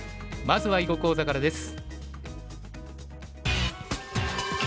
まずは囲碁講座からです。